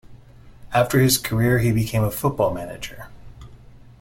After his active career he became a football manager.